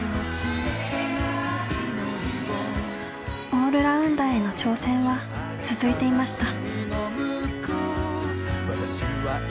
オールラウンダーへの挑戦は続いていました。